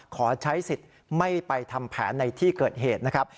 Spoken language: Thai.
ขอใช้สิทธิ์ไม่ไปทำแผนในที่เกิดเหตุนะครับ